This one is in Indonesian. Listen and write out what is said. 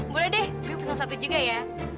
boleh deh gue pesan satu juga ya